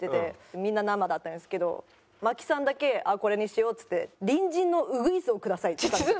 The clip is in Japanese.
みんな生だったんですけど麻貴さんだけ「あっこれにしよう」っつって「隣人のうぐいすをください」って言ったんですよ。